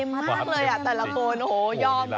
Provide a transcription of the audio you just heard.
มาเต็มมากเลยอ่ะแต่ละคนโอ้โหยอมนี่ยอม